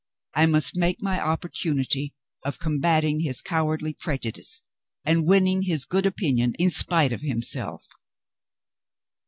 I must make my opportunity of combating his cowardly prejudice, and winning his good opinion in spite of himself.